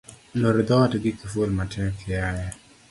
Loor dhoot gi kiful matek iaye